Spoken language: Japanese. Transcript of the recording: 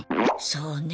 そうね。